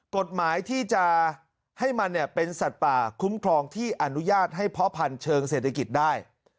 กฎหมายที่จะให้มันเป็นสัตว์ป่าคุ้มครองที่อนุญาตให้เพาะพันธ์เชิงเศรษฐกิจได้